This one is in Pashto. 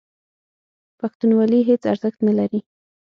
پښتونولي هېڅ ارزښت نه لري.